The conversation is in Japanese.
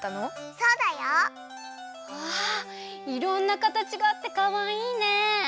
そうだよ！わあいろんなかたちがあってかわいいね。